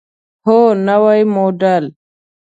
هو، نوی موډل